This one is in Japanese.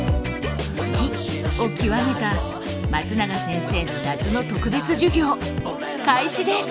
「好き」を極めた松永先生の夏の特別授業開始です！